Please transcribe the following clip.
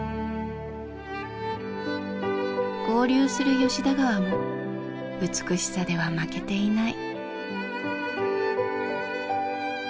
合流する吉田川も美しさでは負けていない。